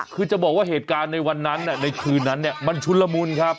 คือจะบอกว่าเหตุการณ์ในวันนั้นในคืนนั้นมันชุนละมุนครับ